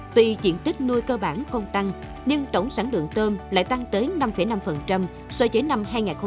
tùy diện tích nuôi cơ bản không tăng nhưng tổng sản lượng tôm lại tăng tới năm năm so với năm hai nghìn hai mươi hai